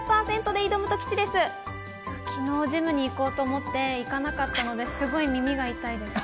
昨日、ジムに行こうと思って行かなかったので、すごく耳が痛いです。